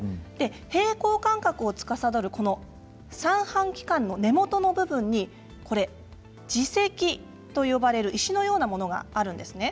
平衡感覚をつかさどる三半規管の根元の部分に耳石と呼ばれる石のようなものがあるんですね。